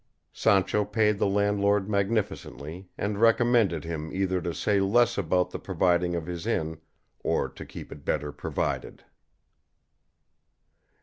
Sancho paid the landlord magnificently, and recommended him either to say less about the providing of his inn or to keep it better provided.